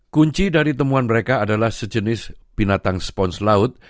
kunci dari temuan mereka adalah sejenis binatang spons laut